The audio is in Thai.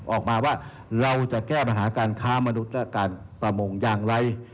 ออกมาว่าเราจะแก้ปัญหาการค้ามนุษย์และการประมงอย่างไร